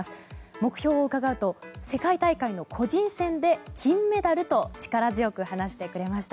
目標を伺うと世界大会の個人戦で金メダルと力強く話してくれました。